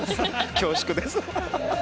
恐縮です。